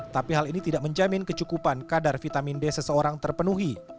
tapi hal ini tidak menjamin kecukupan kadar vitamin d seseorang terpenuhi